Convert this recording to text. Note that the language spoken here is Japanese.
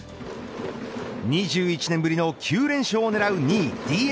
２１年ぶりの９連勝を狙う２位ＤｅＮＡ。